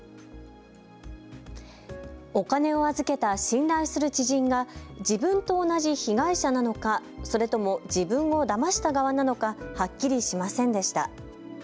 お金を預けた信頼する知人が自分と同じ被害者なのか、それとも自分をだました側なのかはっきりしませんでした。